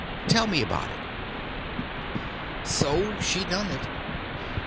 Tell me about it." So she done it.